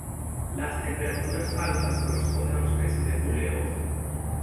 Las temperaturas altas corresponden a los meses de julio y agosto.